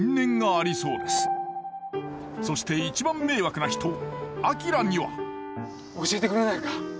そして一番迷惑な人明には教えてくれないか？